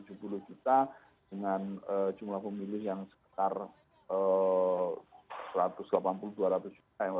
ini dua ratus tujuh puluh juta dengan jumlah pemilih yang sekitar satu ratus delapan puluh dua ratus juta